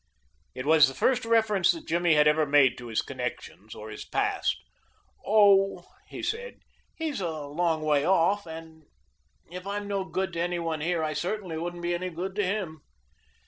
It was the first reference that Jimmy had ever made to his connections or his past. "Oh," he said, "he's a long way off and if I'm no good to any one here I certainly wouldn't be any good to him."